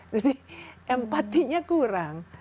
jadi empatinya kurang